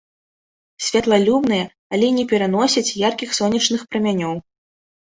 Святлалюбныя, але не пераносяць яркіх сонечных прамянёў.